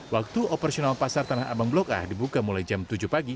waktu operasional pasar tanah abang blok a dibuka mulai jam tujuh pagi